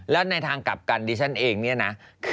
แล้วในทางกลับกันดิฉันเองเนี่ยนะ